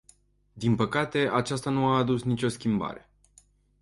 Din păcate, aceasta nu a adus nicio schimbare.